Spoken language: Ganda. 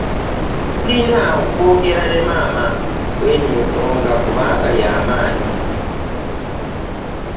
Tulina okwogera ne maama kweno ensonga kubanga y'amanyi .